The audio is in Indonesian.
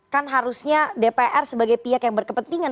kan harusnya dpr sebagai pihak yang berkepentingan